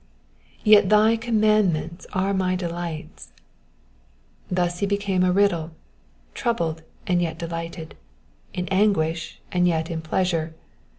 '' ^^let thy commandments are my delights,''^ Thus he became a riddle ; troubled, and yet delighted ; in anguish, and yet in pleasure.